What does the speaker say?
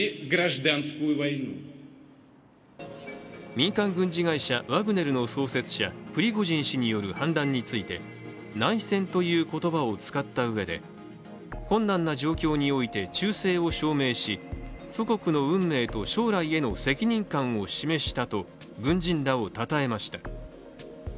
民間軍事会社ワグネルの創設者、プリゴジン氏による反乱について内戦という言葉を使ったうえで困難な状況において忠誠を証明し祖国の運命と将来への責任感を示したと軍人らをたたえました。